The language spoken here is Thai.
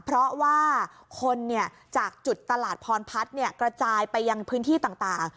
เพราะว่าคนจากจุดตลาดพรพัฒน์กระจายไปยังพื้นที่ต่าง